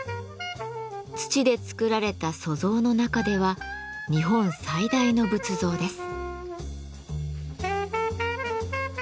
土で作られた塑像の中では日本最大の仏像です。